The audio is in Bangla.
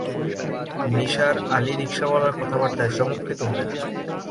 নিসার আলি রিকশাওয়ালার কথাবার্তায় চমৎকৃত হলেন।